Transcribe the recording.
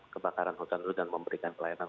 kebakaran hutan itu dan memberikan pelayanan